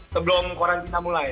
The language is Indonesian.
sebelum korantina mulai